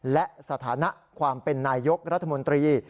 และสถานะความเป็นนายยกรัฐมนตรี